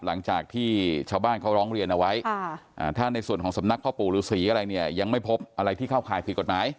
หลังจากที่เฉาบ้านเค้าร้องเรียนเอาไว้